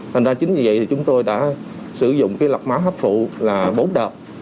thành ra chính vì vậy thì chúng tôi đã sử dụng cái lọc máu hấp phụ là bốn đợt